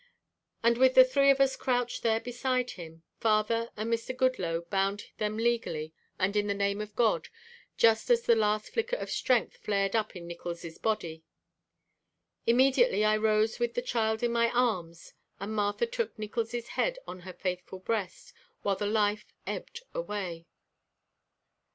And with the three of us crouched there beside him, father and Mr. Goodloe bound them legally and in the name of God, just as the last flicker of strength flared up in Nickols' body. Immediately I rose with the child in my arms and Martha took Nickols' head on her faithful breast while the life ebbed away.